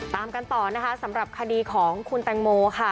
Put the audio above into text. ตามกันต่อนะคะสำหรับคดีของคุณแตงโมค่ะ